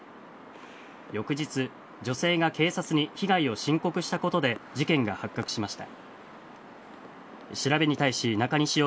翌日、女性が警察に被害を申告したことで事件が発覚しました。